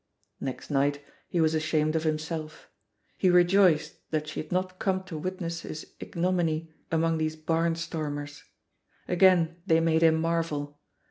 Next night he was ashamed of himself; he rejoiced that she had not come to witness his ignominy among these bam stormers. Again, they made him marvel.